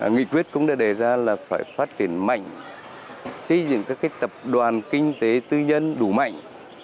nghị quyết cũng đã đề ra là phải phát triển mạnh xây dựng các tập đoàn kinh tế tư nhân đủ mạnh